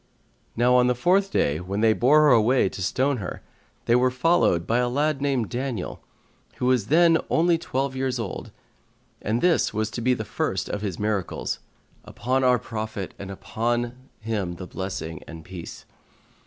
Now on the fourth day, when they bore her away to stone her, they were followed by a lad named Daniel, who was then only twelve years old, and this was to be the first of his miracles (upon our Prophet and upon him the blessing and peace!).